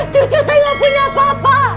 cucu tau punya papa